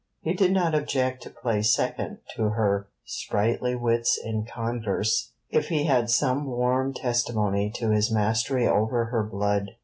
He did not object to play second to her sprightly wits in converse, if he had some warm testimony to his mastery over her blood.